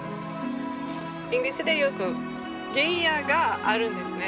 イギリスでよく原野があるんですね。